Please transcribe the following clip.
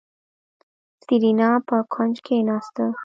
سېرېنا په کوچ کېناسته.